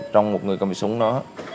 trong một người cầm súng đó